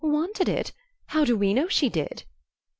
"Wanted it? How do we know she did?"